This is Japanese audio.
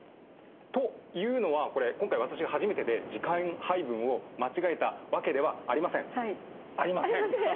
というのは今回私が初めてで時間配分を間違えたわけではありません。ありません。